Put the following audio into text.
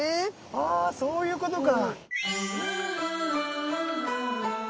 あそういうことか。